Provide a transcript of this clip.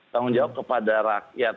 tanggung jawab kepada rakyat